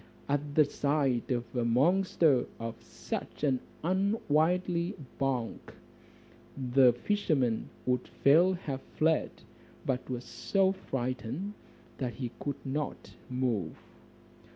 At the sight of a monster of such an unwieldy bulk, the fisherman would fain have fled, but was so frightened, that he could not move.